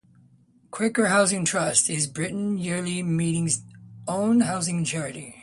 "Quaker Housing Trust": is Britain Yearly Meeting's own housing charity.